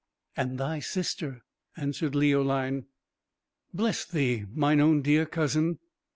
"And thy sister," answered Leoline. "Bless thee, mine own dear cousin!